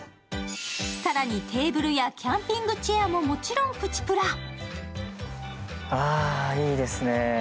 更にケーブルやキャンピングチェアももちろんプチプラ。